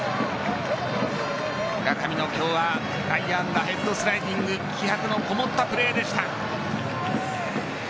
村上も今日は内野安打、ヘッドスライディング気迫のこもったプレーでした。